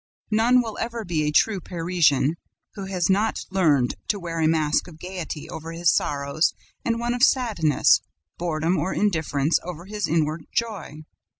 None will ever be a true Parisian who has not learned to wear a mask of gaiety over his sorrows and one of sadness, boredom or indifference over his inward joy.